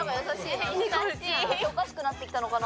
おかしくなってきたのかな。